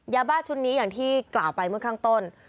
ยาบ้าชุดนี้อย่างที่กล่าวไปเมื่อข้างต้น